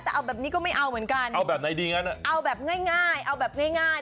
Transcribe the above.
แต่เอาแบบนี้ก็ไม่เอาเหมือนกันเอาแบบไหนดีงั้นอ่ะเอาแบบง่ายเอาแบบง่ายง่าย